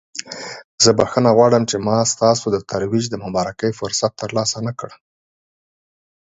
زه بخښنه غواړم چې ما ستاسو د ترویج د مبارکۍ فرصت ترلاسه نکړ.